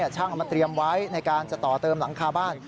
ช่างเอามาเตรียมไว้ในการจะต่อเติมหลังคาบ้าน